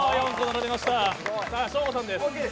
ショーゴさんです。